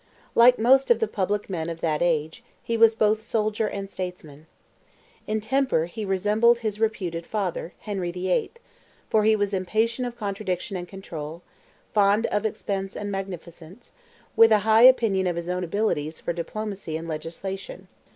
Like most of the public men of that age, he was both soldier and statesman. In temper he resembled his reputed father, Henry VIII.; for he was impatient of contradiction and control; fond of expense and magnificence, with a high opinion of his own abilities for diplomacy and legislation.